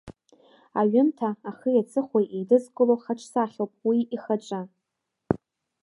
Аҩымҭа ахи аҵыхәеи еидызкыло хаҿсахьоуп уи ихаҿы.